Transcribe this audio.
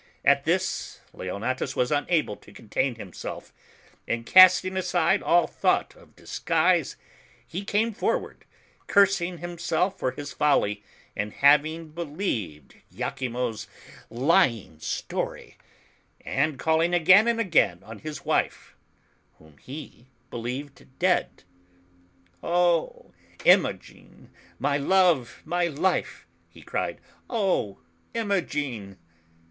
At this, Leon atus was unable to contain himself, and casting aside all thought of disguise, he came forward, cursing himself for his folly in hav ing believed lachimo's lying story, and calling again and again on his wife whom he believed dead. S6 THE CHILDREN'S SHAKESPEARE. "Oh, Imogen, my love, my life!'' he cried. '*0h, Imogen!"